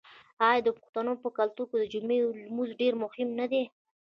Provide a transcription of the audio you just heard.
آیا د پښتنو په کلتور کې د جمعې لمونځ ډیر مهم نه دی؟